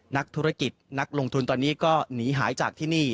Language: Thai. นักธุรกิจนักลงทุนตอนนี้ก็หนีหายจากที่นี่